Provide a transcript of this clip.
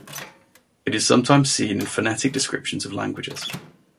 It is sometimes seen in phonetic descriptions of languages.